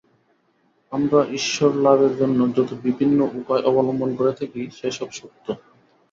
আমরা ঈশ্বরলাভের জন্য যত বিভিন্ন উপায় অবলম্বন করে থাকি, সে সব সত্য।